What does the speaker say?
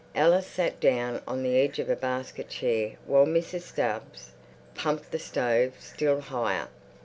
Alice sat down on the edge of a basket chair while Mrs. Stubbs pumped the stove still higher.